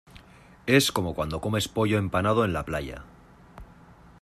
es como cuando comes pollo empanado en la playa.